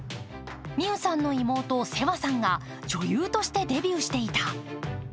美宇さんの妹・世和さんが、なんと女優としてデビューしていた。